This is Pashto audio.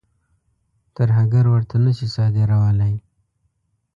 ترهګر ورته نه شي صادرولای.